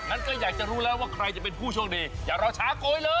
งั้นก็อยากจะรู้แล้วว่าใครจะเป็นผู้โชคดีอย่ารอช้าโกยเลย